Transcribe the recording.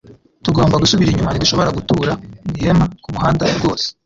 Tugomba gusubira inyuma; ntidushobora gutura mu ihema kumuhanda rwose